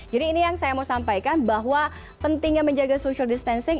jadi ini yang saya mau sampaikan bahwa pentingnya menjaga social distancing